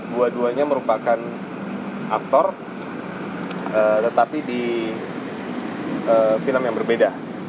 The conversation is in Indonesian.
dua duanya merupakan aktor tetapi di film yang berbeda